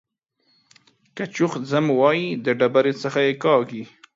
که چوخ ځم وايي د ډبرۍ څخه يې کاږي.